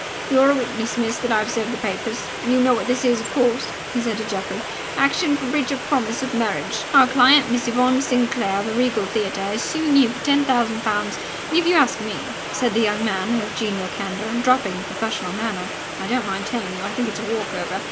"You're a witness, miss, that I've served the papers. You know what this is, of course?" he said to Geoffrey. "Action for breach of promise of marriage. Our client, Miss Yvonne Sinclair, of the Regal Theatre, is suing you for ten thousand pounds. And, if you ask me," said the young man with genial candour, dropping the professional manner, "I don't mind telling you, I think it's a walk over!